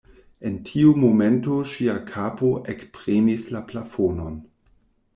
En tiu momento ŝia kapo ekpremis la plafonon.